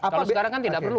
kalau sekarang kan tidak perlu